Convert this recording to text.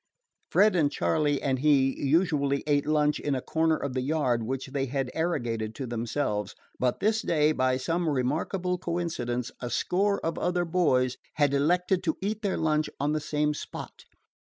Fred and Charley and he usually ate lunch in a corner of the yard which they had arrogated to themselves; but this day, by some remarkable coincidence, a score of other boys had elected to eat their lunches on the same spot.